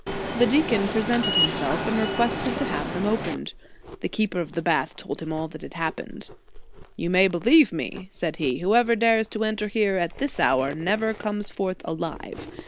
The deacon presented himself and requested to have them opened. The keeper of the bath told him all that had happened. You may be lieve me, said he, whoever dares to enter here at this hour, never comes forth alive.